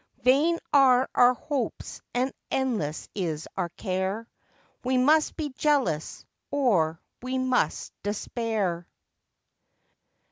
Vain are our hopes, and endless is our care; We must be jealous, or we must despair.